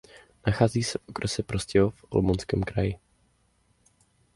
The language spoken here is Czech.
Nachází se v okrese Prostějov v Olomouckém kraji.